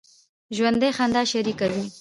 ژوندي خندا شریکه وي